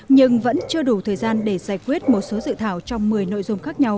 nhưng vẫn chưa đủ thời gian để giải quyết một số dự thảo trong một mươi nội dung khác nhau